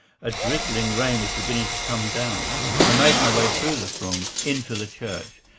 A drizzling rain was beginning to come down. I made my way through the throng into the church.